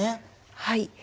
はい。